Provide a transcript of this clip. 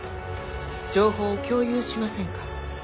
情報を共有しませんか？